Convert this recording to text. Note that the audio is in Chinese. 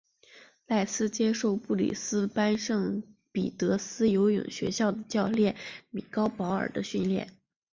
赖斯接受布里斯班圣彼得斯游泳学校的教练米高保尔的训练。